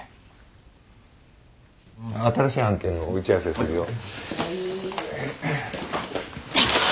新しい案件の打ち合わせするよ。